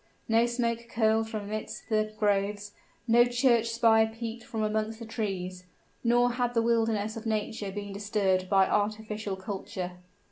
No smoke curled from amidst the groves, no church spire peeped from amongst the trees; nor had the wilderness of nature been disturbed by artificial culture.